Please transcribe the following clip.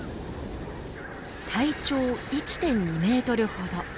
体長１．２メートルほど。